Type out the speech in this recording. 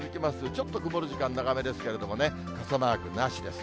ちょっと曇る時間長めですけれども、傘マークなしです。